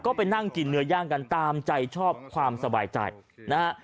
ก็ไปนั่งกินเนื้อย่างกันตามใจชอบความสบายใจนะฮะ